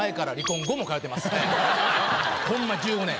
ホンマ１０年。